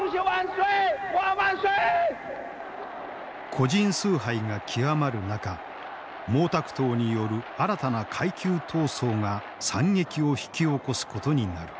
個人崇拝が極まる中毛沢東による新たな階級闘争が惨劇を引き起こすことになる。